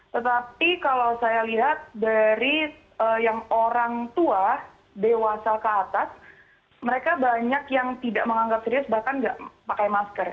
tetapi kalau saya lihat dari yang orang tua dewasa ke atas mereka banyak yang tidak menganggap serius bahkan tidak pakai masker